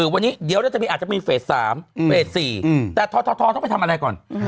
วันนี้เดี๋ยวเราจะมีเฟส๓เฟส๔แต่ททต้องไปทำอะไรก่อน